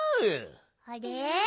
あれ？